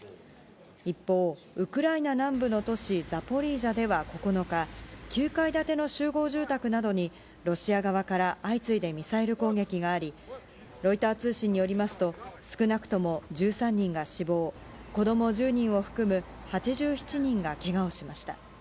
一方、ウクライナ南部の都市、ザポリージャでは９日、９階建ての集合住宅などにロシア側から相次いでミサイル攻撃があり、ロイター通信によりますと、少なくとも１３人が死亡、子ども１０人を含む８７人がけがをしました。